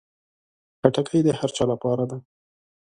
خټکی د هر چا لپاره ده.